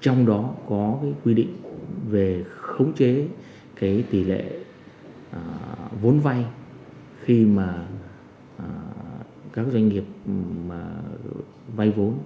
trong đó có quy định về khống chế tỷ lệ vốn vay khi mà các doanh nghiệp vay vốn